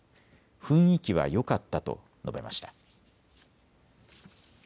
雰囲気はよかったと述べました。